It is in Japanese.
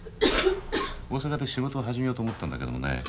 大阪で仕事を始めようと思ったんだけどもね